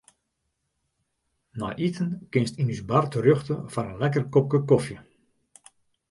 Nei iten kinst yn ús bar terjochte foar in lekker kopke kofje.